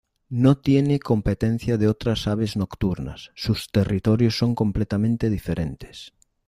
No tiene competencia de otras aves nocturnas, sus territorios son completamente diferentes.